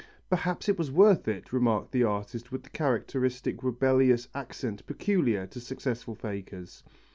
"Perhaps it was worth it," remarked the artist with the characteristic rebellious accent peculiar to successful fakers.